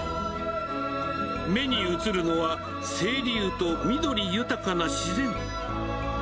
目に映るのは、清流と緑豊かな自然。